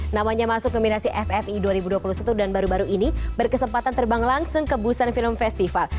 namanya masuk nominasi ffi dua ribu dua puluh satu dan baru baru ini berkesempatan terbang langsung ke busan film festival